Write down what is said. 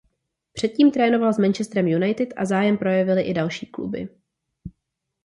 Předtím trénoval s Manchesterem United a zájem projevily i další kluby.